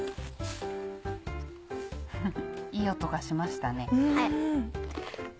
フフいい音がしましたね。